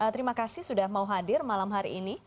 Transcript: terima kasih sudah mau hadir malam hari ini